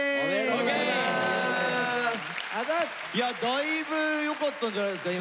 だいぶよかったんじゃないですか？